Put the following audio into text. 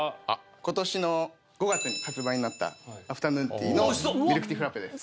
今年の５月に発売になったＡｆｔｅｒｎｏｏｎＴｅａのミルクティーフラッペです